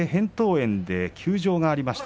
炎で休場がありました。